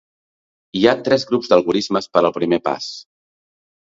Hi ha tres grups d'algorismes per al primer pas.